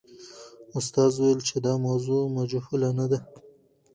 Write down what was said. استاد وویل چې دا موضوع مجهوله نه ده.